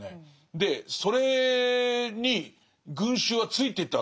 でそれに群衆はついていったわけですよね。